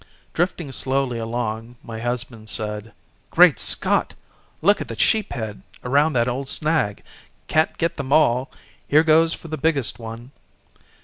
Drifting slowly along my husband said "Great Scott! look at the sheephead around that old snag, can't get them all, here goes for the biggest one."